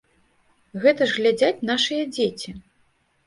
Гэта ж глядзяць нашыя дзеці.